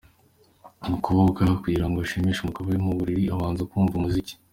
Umukobwa kugira ngo ashimishe umugabo we mu buriri abanza kumva umuziki